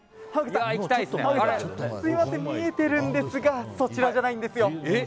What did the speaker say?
すみません見えてるんですがそちらじゃないんです。